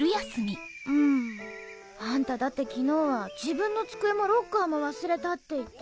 うん。あんただって昨日は自分の机もロッカーも忘れたって言って。